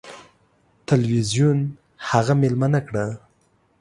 تلویزیون هغه میلمنه کړه.